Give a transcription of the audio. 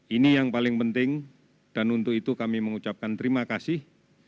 ini yang paling penting dan untuk itu kami mengucapkan terima kasih